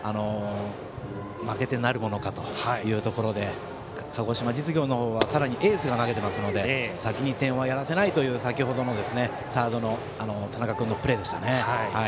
負けてなるものかというところで鹿児島実業の方はさらにエースが投げてるので先に点をやらせないという先程サードの田中君のプレーでした。